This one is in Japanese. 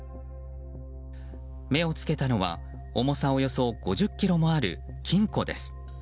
目を付けたのは重さおよそ５０ｋｇもある金庫です。